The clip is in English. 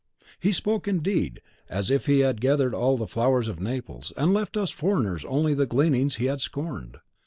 He spoke, indeed, as if he himself had gathered all the flowers of Naples, and left us foreigners only the gleanings he had scorned.